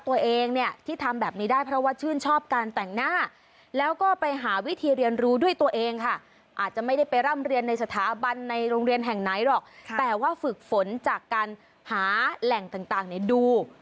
ตัวเองเนี่ยที่ทำแบบนี้ได้เพราะว่าชื่นชอบการแต่งหน้าแล้วก็ไปหาวิธีเรียนรู้ด้วยตัวเองค่ะอาจจะไม่ได้ไปร่ำเรียนในสถาบันในโรงเรียนแห่งไหนหรอกแต่ว่าฝึกฝนจากการหาแหล่งต่างเนี่ยดู